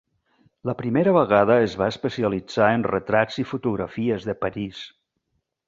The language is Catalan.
La primera vegada es va especialitzar en retrats i fotografies de París.